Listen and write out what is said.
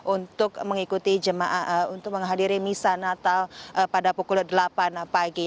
untuk mengikuti jemaah untuk menghadiri misa natal pada pukul delapan pagi